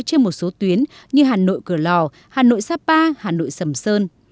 trên một số tuyến như hà nội cửa lò hà nội sapa hà nội sầm sơn